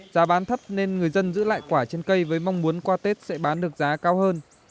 giá bán thấp nên người dân giữ lại quả trên cây với mong muốn qua tết sẽ bán được giá cao hơn